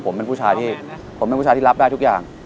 ผมเป็นผู้ชายที่รับได้ทุกอย่าง